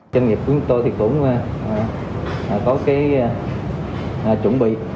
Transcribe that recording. doanh nghiệp của chúng tôi cũng có chuẩn bị